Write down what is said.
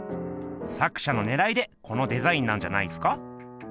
作者のねらいでこのデザインなんじゃないっすか？